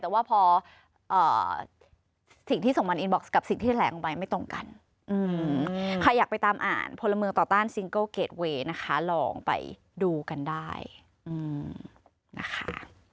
แต่ว่าพอเอ่อสิ่งที่ส่งบันอินบ็อกซ์กับสิ่งที่แหละลงไปไม่ตรงกันอืมใครอยากไปตามอ่านพลเมืองต่อต้านนะคะลองไปดูกันได้อืมนะคะ